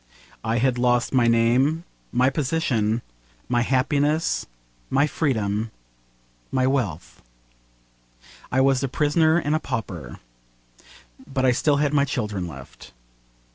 I had lost my name, my position, my happiness, my freedom, my wealth. I was a prisoner and a pauper. But I still had my children left.